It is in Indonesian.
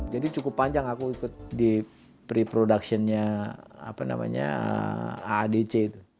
jadi cukup panjang aku ikut di pre production nya aadc